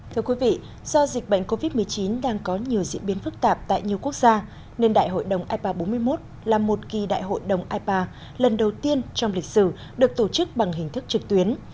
thưa quý vị do dịch bệnh covid một mươi chín đang có nhiều diễn biến phức tạp tại nhiều quốc gia nên đại hội đồng ipa bốn mươi một là một kỳ đại hội đồng ipa lần đầu tiên trong lịch sử được tổ chức bằng hình thức trực tuyến